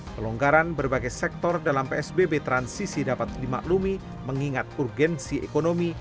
pelonggaran berbagai sektor dalam psbb transisi dapat dimaklumi mengingat urgensi ekonomi